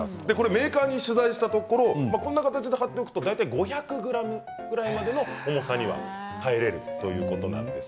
メーカーに取材したところこんな形がよくて大体５００ｇくらいまでの重さには耐えられるということです。